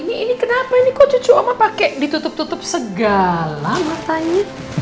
ini kenapa ini kok cucu oma pakai ditutup tutup segala matanya